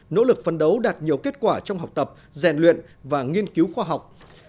nỗ lực phân đấu đạt nhiều kết quả trong học tập rèn luyện và nghiên cứu khoa học